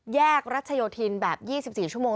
แยกรัชโยธินแบบ๒๔ชั่วโมง